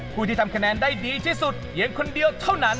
ผู้ที่ทำคะแนนได้ดีที่สุดเพียงคนเดียวเท่านั้น